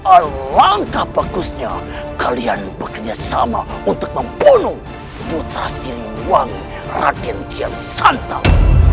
alangkah bagusnya kalian bekerjasama untuk membunuh putra siliwang raden kian santang